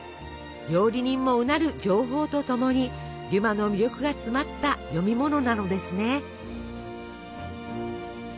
料理人もうなる情報とともにデュマの魅力が詰まった読み物なのですね。